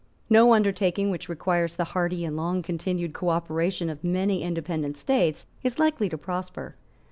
No undertaking which requires the hearty and long continued cooperation of many independent states is likely to prosper.